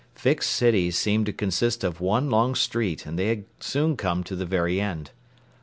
Fix City seemed to consist of one long street, and they had soon come to the very end.